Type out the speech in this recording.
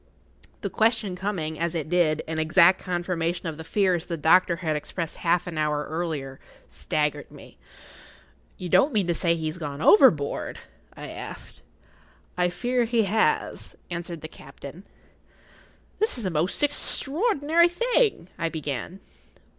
The question coming, as it did, in exact confirmation of the fears the doctor had expressed half an hour earlier, staggered me. "You don't mean to say he has gone overboard?" I asked. "I fear he has," answered the captain. "This is the most extraordinary thing——" I began.